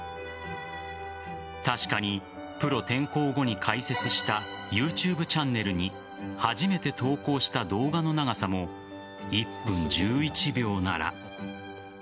確かに、プロ転向後に開設したユーチューブチャンネルに初めて投稿した動画の長さも１分１１秒なら。